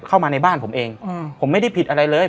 เข้ามาในบ้านผมเองผมไม่ได้ผิดอะไรเลย